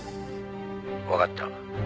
「わかった。